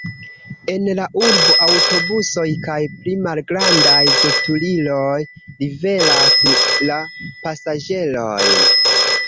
En la urbo aŭtobusoj kaj pli malgrandaj veturiloj liveras la pasaĝerojn.